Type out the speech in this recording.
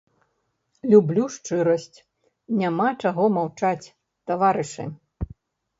Люблю шчырасць, няма чаго маўчаць, таварышы!